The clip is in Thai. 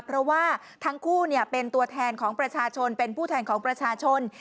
เพราะว่าทั้งคู่เป็นตัวแทนของประชาชนเป็นผู้แทนของประชาชน